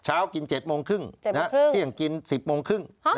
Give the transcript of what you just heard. เช้ากิน๗โมงครึ่งเที่ยงกิน๑๐โมงครึ่ง